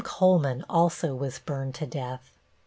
Coleman also was burned to death.